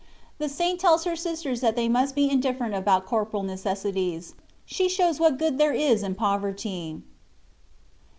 THE SAINT TELLS HER SISTERS THAT THEY MUST BE INDIFFERENT ABOUT CORPORAL NECESSITIES I SHE SHOWS WHAT GOOD THERB IS IN POVERTY.